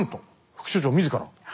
副所長自ら調査。